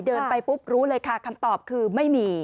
เดินไปปุ๊บรู้เลยค่ะคำตอบคือไม่มี